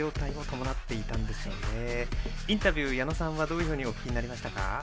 インタビュー、矢野さんはどうお聞きになりましたか。